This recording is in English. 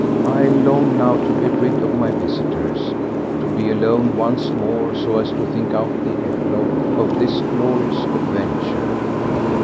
I longed now to be rid of my visitors, to be alone once more, so as to think out the epilogue of this glorious adventure.